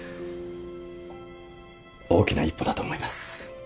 大きな一歩だと思います。